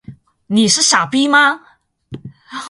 你是傻逼吗？